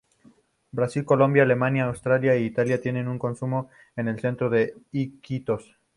Brasil, Colombia, Alemania, Austria e Italia tienen un consulado en el Centro de Iquitos.